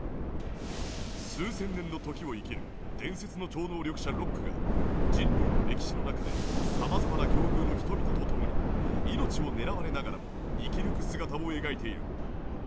数千年の時を生きる伝説の超能力者ロックが人類の歴史の中で様々な境遇の人々と共に命を狙われながらも生き抜く姿を描いている。